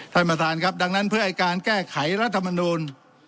ท่านประธานครับดังนั้นเพื่อให้การแก้ไขรัฐมนูล